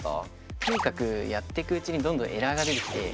とにかくやってくうちにどんどんエラーが出てきて。